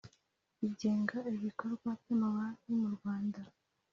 bigenga ibikorwa by amabanki mu Rwanda